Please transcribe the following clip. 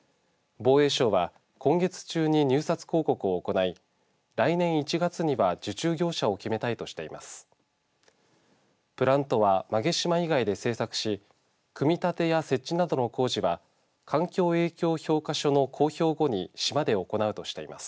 防衛省は今月中に入札公告を行い来年１月には受注業者を決めたいとしています。